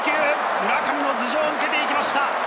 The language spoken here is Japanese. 村上の頭上を抜けて行きました。